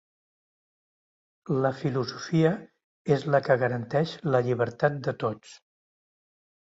La filosofia és la que garanteix la llibertat de tots.